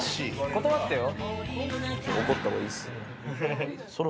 断ってよ。